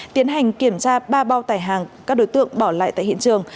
tiến hành kiểm tra ba bao tải hàng các đối tượng bỏ lại tại hiện trường